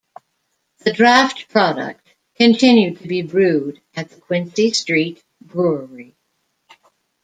The draught product continued to be brewed at the Quincy Street brewery.